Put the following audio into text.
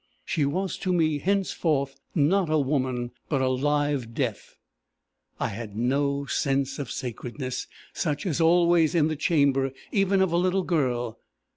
She was to me, henceforth, not a woman, but a live Death. I had no sense of sacredness, such as always in the chamber even of a little girl.